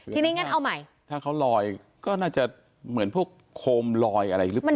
ทีนี้งั้นเอาใหม่ถ้าเขาลอยก็น่าจะเหมือนพวกโคมลอยอะไรหรือเปล่า